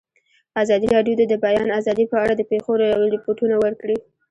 ازادي راډیو د د بیان آزادي په اړه د پېښو رپوټونه ورکړي.